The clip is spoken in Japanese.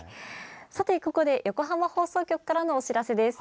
ここで、横浜放送局からのお知らせです。